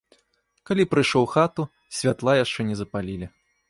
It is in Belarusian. Калі прыйшоў у хату, святла яшчэ не запалілі.